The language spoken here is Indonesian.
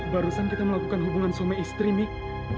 barusan kita melakukan hubungan sama istri mik